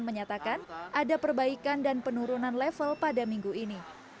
menyatakan ada perbaikan dan penurunan level pada minggu ini